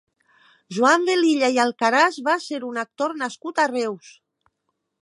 Joan Velilla i Alcaraz va ser un actor nascut a Reus.